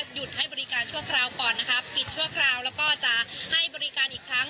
หยุดให้บริการชั่วคราวก่อนนะคะปิดชั่วคราวแล้วก็จะให้บริการอีกครั้ง